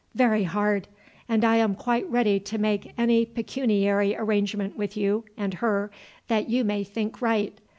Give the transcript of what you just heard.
Very hard. And I am quite ready to make any pecuniary arrangement with you and her that you may think right.